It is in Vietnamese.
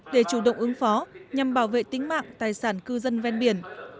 để chủ động ứng phó nhằm bảo vệ tính mạng tài sản cư dân ven biển